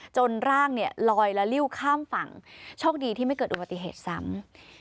ร่างเนี่ยลอยละลิ้วข้ามฝั่งโชคดีที่ไม่เกิดอุบัติเหตุซ้ำ